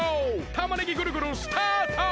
たまねぎぐるぐるスタート！